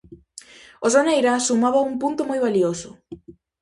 O Soneira sumaba un punto moi valioso.